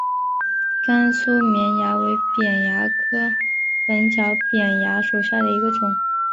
甘蔗绵蚜为扁蚜科粉角扁蚜属下的一个种。